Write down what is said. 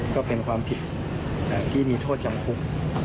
ก็เป็นความผิดที่มีโทษจำคุก